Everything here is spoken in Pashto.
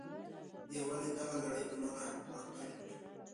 د یووالي دغه لړۍ به نوره هم غښتلې کړو.